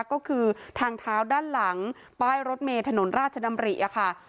ก็คือทางเท้าด้านหลังป้ายรถเมย์ถนนราชดำริค่ะ